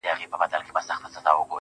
• د هغه ږغ د هر چا زړه خپلوي.